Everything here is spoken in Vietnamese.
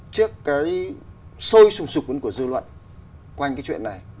trước cái sôi sụn sụn của dư luận quanh cái chuyện này